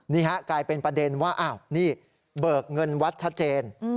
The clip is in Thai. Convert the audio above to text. นี่ฮะกลายเป็นประเด็นว่าอ้าวนี่เบิกเงินวัดชัดเจน